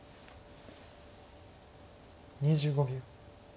２５秒。